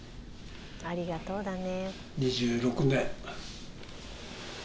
ありがとうだね。